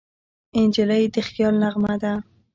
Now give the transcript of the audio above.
نجلۍ د خیال نغمه ده.